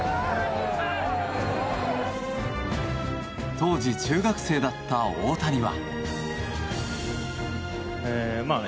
当時、中学生だった大谷は。